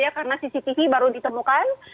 karena cctv baru ditemukan